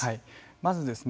まずですね